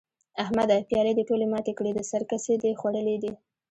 احمده؛ پيالې دې ټولې ماتې کړې؛ د سر کسي دې خوړلي دي؟!